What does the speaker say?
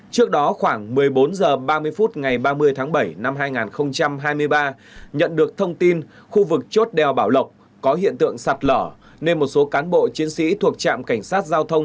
trước đó khoảng một mươi bốn h ba mươi phút ngày ba mươi tháng bảy năm hai nghìn hai mươi ba nhận được thông tin khu vực chốt đèo bảo lộc có hiện tượng sạt lở nên một số cán bộ chiến sĩ thuộc trạm cảnh sát giao thông